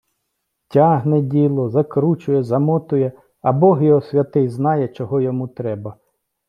Тягне діло, закручує, замотує, а бог його святий знає, чого йому треба.